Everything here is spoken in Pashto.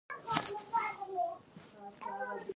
موږ د پوزې مرۍ او سږو په مرسته ساه اخلو